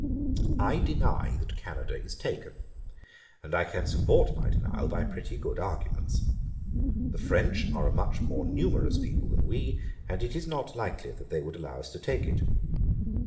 I deny that Canada is taken, and I can support my denial by pretty good arguments. The French are a much more numerous people than we; and it is not likely that they would allow us to take it.